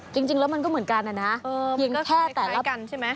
จริงแล้วมันก็เหมือนกันนะนะมันก็ไม่คล้ายกันใช่ไหม